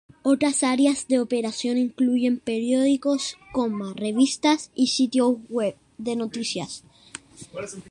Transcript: Otras áreas de operación incluyen periódicos, revistas y sitios web de noticias.